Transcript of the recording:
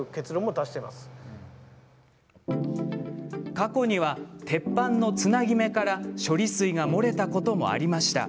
過去には、鉄板のつなぎ目から処理水が漏れたこともありました。